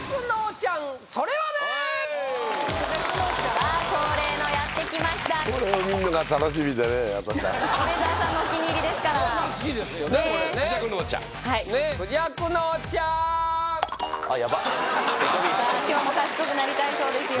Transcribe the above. ちゃーんさあ今日も賢くなりたいそうですよ